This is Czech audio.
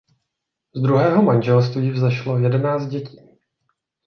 Z druhého manželství vzešlo jedenáct dětí.